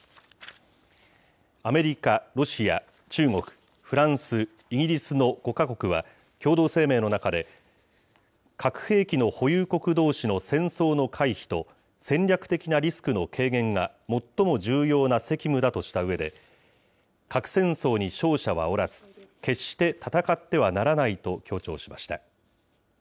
アメリカ、ロシア、中国、フランス、イギリスの５か国は共同声明の中で、核兵器の保有国どうしの戦争の回避と、戦略的なリスクの軽減が最も重要な責務だとしたうえで、核戦争に勝者はおらず、決して戦ってはならないと強調しました。